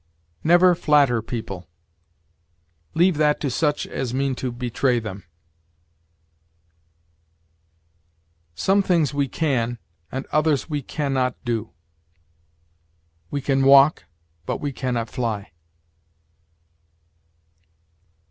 "Never flatter people: leave that to such as mean to betray them." "Some things we can, and others we can not do: we can walk, but we can not fly."